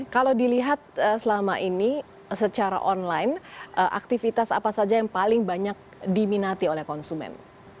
kalau dilihat selama ini secara online aktivitas apa saja yang paling banyak diminati oleh konsumen